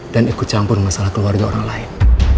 dan ikut campur masalah keluarga orang lain